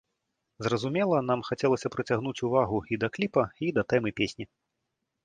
Зразумела, нам хацелася прыцягнуць увагу і да кліпа, і да тэмы песні.